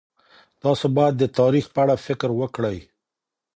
تاسو باید د تاریخ په اړه فکر وکړئ.